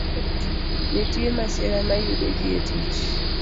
Nitie masira ma yudo ji e tich.